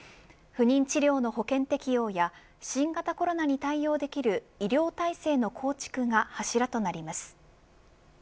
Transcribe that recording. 不妊治療の保険適用や新型コロナに対応できる医療体制の構築が柱となります。